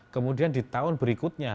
kemudian di tahun berikutnya